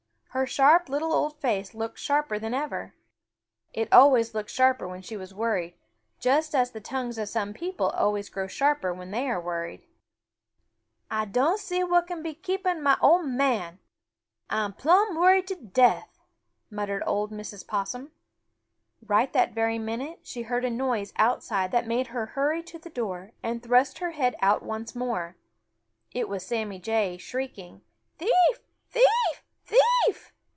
Her sharp little old face looked sharper than ever. It always looks sharper when she is worried, just as the tongues of some people always grow sharper when they are worried. "Ah don' see what can be keepin' mah ol' man! Ah'm plumb worried to death," muttered old Mrs. Possum. Right that very minute she heard a noise outside that made her hurry to the door and thrust her head out once more. It was Sammy Jay, shrieking: "Thief! Thief! Thief!"